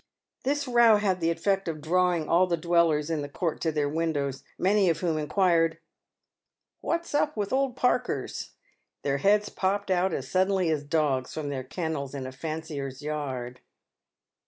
This row had the effect of drawing all the dwellers in the court to their windows, many of whom inquired, " "What's up with old Parkers ?" Their heads popped out as suddenly as dogs from their kennels in a fancier's yard.